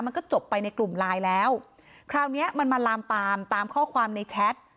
มันก็จบไปในกลุ่มไลน์แล้วคราวเนี้ยมันมาลามปามตามข้อความในแชท